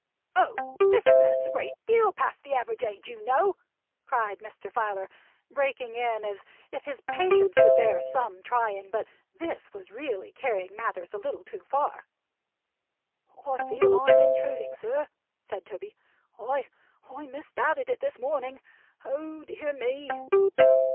"Oh! This man's a great deal past the average age, you know," cried Mr. Filer, breaking in as if his patience would bear some trying, but this was really carrying matters a little too far. "I feel I'm intruding, sir," said Toby. "I I misdoubted it this morning. Oh dear me!"